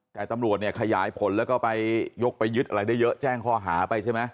แต่ตำรวจเนี่ยขยายผลแล้วก็ไปยกไปยึดอะไรได้เยอะแจ้งข้อหาไปใช่ไหม